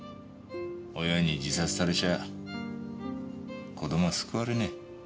親に自殺されちゃあ子供は救われねえ。